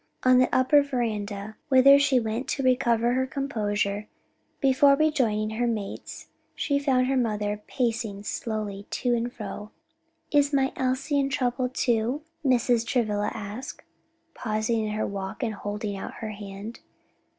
On the upper veranda, whither she went to recover her composure, before rejoining her mates, she found her mother pacing slowly to and fro. "Is my Elsie in trouble, too?" Mrs. Travilla asked, pausing in her walk and holding out her hand.